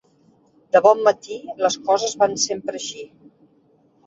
De bon matí les coses van sempre així.